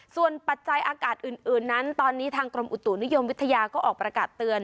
ส่วนปัจจัยอากาศอื่นนั้นตอนนี้ทางกรมอุตุนิยมวิทยาก็ออกประกาศเตือน